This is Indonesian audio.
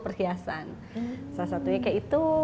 perhiasan salah satunya kayak itu